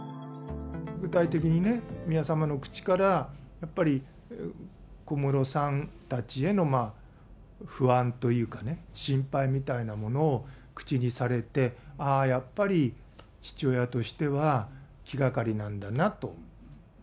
具体的に宮さまの口からやっぱり小室さんたちへの不安というかね、心配みたいなものを口にされて、ああ、やっぱり父親としては気がかりなんだなと。